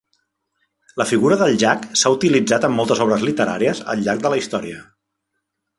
La figura del jack s'ha utilitzat en moltes obres literàries al llarg de la història.